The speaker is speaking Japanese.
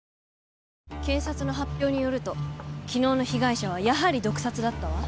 警察の発表によると昨日の被害者はやはり毒殺だったわ。